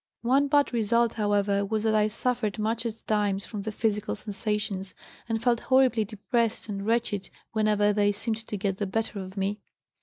One bad result, however, was that I suffered much at times from the physical sensations, and felt horribly depressed and wretched whenever they seemed to get the better of me."